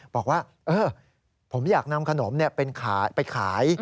บอกว่าผมอยากนำขนมไปขาย